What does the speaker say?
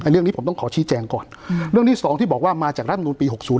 เรื่องนี้ผมต้องขอชี้แจงก่อนเรื่องที่๒ที่บอกว่ามาจากรัฐมนุนปี๖๐